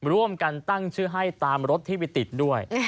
ร่วมกันตั้งชื่อให้ตามรถที่ไปติดด้วย